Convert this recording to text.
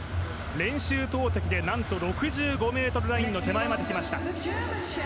練習投てきで６５ｍラインの手前まで来ました。